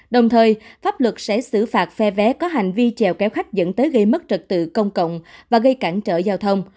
đồng thời pháp luật sẽ xử phạt phe vé có hành vi trèo kéo khách dẫn tới gây mất trật tự công cộng và gây cản trở giao thông